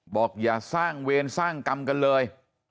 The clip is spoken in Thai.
บอกอย่าสร้างเวรสร้างกรรมกันเลย